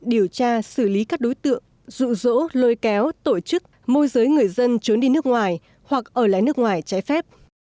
điều tra xử lý các đối tượng rụ rỗ lôi kéo tổ chức môi giới người dân trốn đi nước ngoài hoặc ở lại nước ngoài trái phép